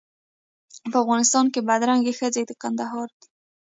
په افغانستان کې بدرنګې ښځې د کندهار دي.